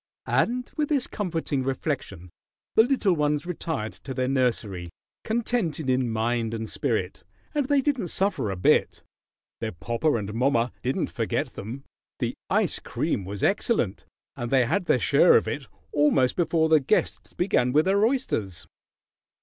And with this comforting reflection the little ones retired to their nursery contented in mind and spirit and they didn't suffer a bit. Their "popper and mommer" didn't forget them. The ice cream was excellent, and they had their share of it almost before the guests began with their oysters.